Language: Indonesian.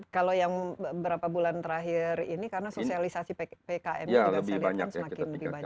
kalau yang berapa bulan terakhir ini karena sosialisasi ppkm juga sedangkan semakin banyak